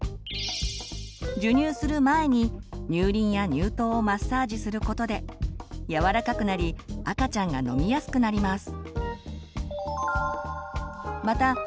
授乳する前に乳輪や乳頭をマッサージすることで柔らかくなり赤ちゃんが飲みやすくなります。